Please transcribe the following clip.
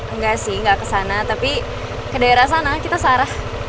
enggak sih enggak ke sana tapi ke daerah sana kita searah